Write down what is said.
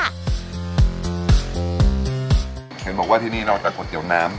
เห็นบอกว่าที่นี่นอกจากก๋วยเตี๋ยวน้ำ